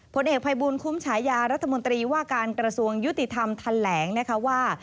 ผลเอกภัยบูลคุ้มฉายารัฐมนตรีว่าการกระทรวงยุติธรรมทันแหลงนะคะว่า